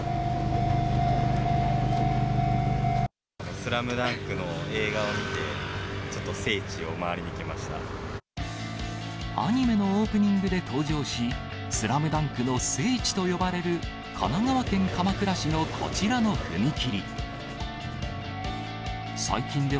スラムダンクの映画を見て、アニメのオープニングで登場し、スラムダンクの聖地と呼ばれる神奈川県鎌倉市のこちらの踏切。